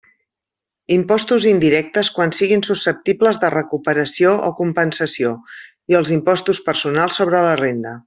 Impostos indirectes quan siguin susceptibles de recuperació o compensació i els impostos personals sobre la renda.